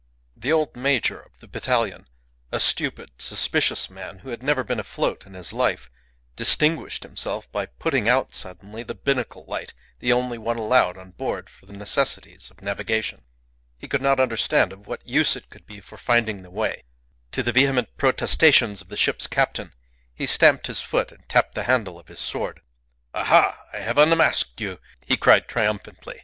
The old major of the battalion, a stupid, suspicious man, who had never been afloat in his life, distinguished himself by putting out suddenly the binnacle light, the only one allowed on board for the necessities of navigation. He could not understand of what use it could be for finding the way. To the vehement protestations of the ship's captain, he stamped his foot and tapped the handle of his sword. "Aha! I have unmasked you," he cried, triumphantly.